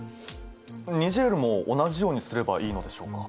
ニジェールも同じようにすればいいのでしょうか？